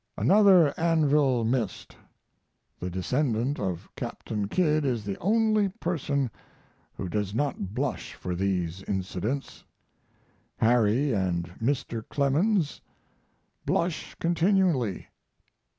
Another anvil missed. The descendant of Captain Kidd is the only person who does not blush for these incidents. Harry and Mr. Clemens blush continually.